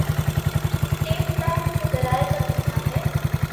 state bank کے ذرائع کا کہناہے